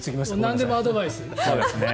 なんでもアドバイス。